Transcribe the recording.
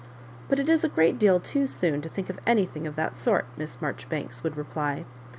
"But it is a great deal too soon to think of anything of that sort," Miss Marjori banks would reply.